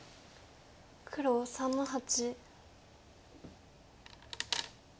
黒３の八。